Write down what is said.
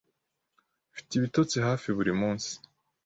Mfite ibitotsi hafi buri munsi.